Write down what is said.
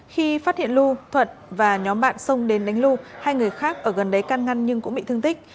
khi phát hiện lu thuận và nhóm bạn xông đến đánh lu hai người khác ở gần đấy can ngăn nhưng cũng bị thương tích